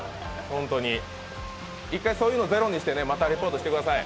一回そういうのゼロにしてまたリポートしてください。